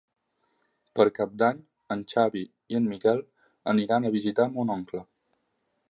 Per Cap d'Any en Xavi i en Miquel aniran a visitar mon oncle.